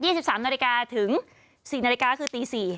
๒๓นาฬิกาถึงสี่นาฬิกาคือตี๔